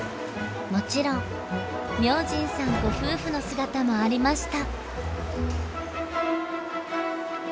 もちろん明神さんご夫婦の姿もありました。